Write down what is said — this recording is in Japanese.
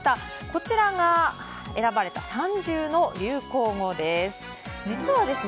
こちらが選ばれた３０の流行語です。